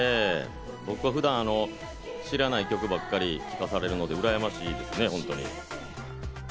僕は普段知らない曲ばかり聞かされるので、うらやましいですね、ほんとに。